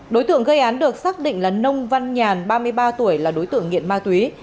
đối tượng gây án được xác định là nông văn nhàn ba mươi ba tuổi là đối tượng nghiện ma túy